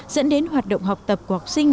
dẫn đến hoạt động học tập của học sinh